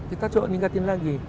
kita coba meningkatin lagi